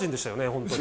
本当に。